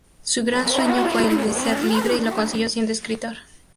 Su gran sueño fue el de ser libre y lo consiguió siendo escritor.